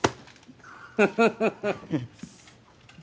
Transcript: ハハハハ。